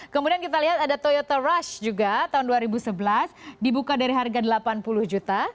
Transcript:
kemudian kita lihat ada toyota rush juga tahun dua ribu sebelas dibuka dari harga delapan puluh juta